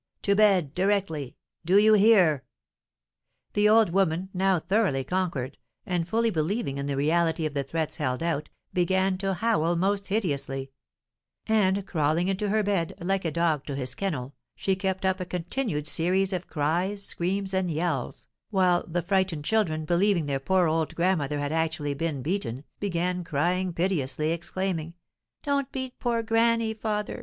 to bed, directly! Do you hear?" The old woman, now thoroughly conquered, and fully believing in the reality of the threats held out, began to howl most hideously; and crawling into her bed, like a dog to his kennel, she kept up a continued series of cries, screams, and yells, while the frightened children, believing their poor old grandmother had actually been beaten, began crying piteously, exclaiming, "Don't beat poor granny, father!